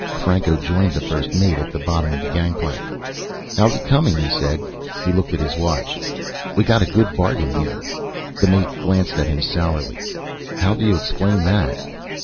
Franco joined the first mate at the bottom of the gangplank. "How's it coming?" he said. He looked at his watch. "We got a good bargain here." The mate glanced at him sourly. "How do you explain that?"